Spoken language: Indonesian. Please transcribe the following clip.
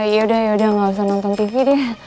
yaudah yaudah gak usah nonton tv deh